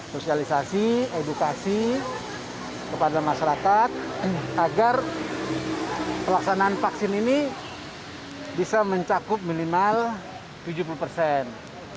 sosialisasi edukasi kepada masyarakat agar pelaksanaan vaksin ini bisa mencakup minimal tujuh puluh persen